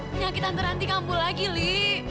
penyakit tante ranti kamu lagi li